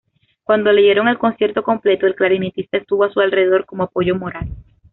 Cuando leyeron el concierto completo, el clarinetista estuvo a su alrededor como apoyo moral.